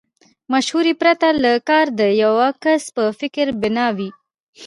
مشورې پرته کار د يوه کس په فکر بنا وي.